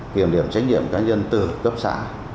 kiểm điểm trách nhiệm cá nhân từ cấp xã